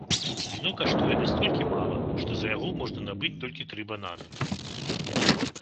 Віно каштуе настолькі мала, што за яго можна набыць толькі тры бананы.